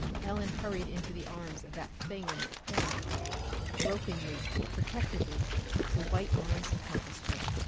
Ellen hurried into the arms of that thing in the corner. Gropingly, protectively, the white arms encompassed her.